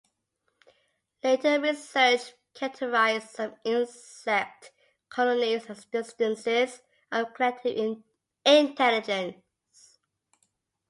Later research characterized some insect colonies as instances of collective intelligence.